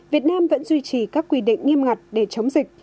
việt nam vẫn duy trì các quy định nghiêm ngặt để chống dịch